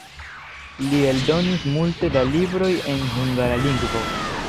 Li eldonis multe da libroj en hungara lingvo.